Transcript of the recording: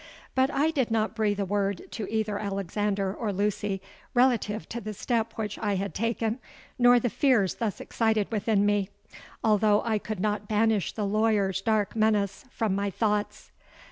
But I did not breathe a word to either Alexander or Lucy relative to the step which I had taken nor the fears thus excited within me; although I could not banish the lawyer's dark menace from my thoughts.